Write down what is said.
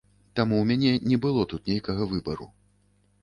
Таму ў мяне не было тут нейкага выбару.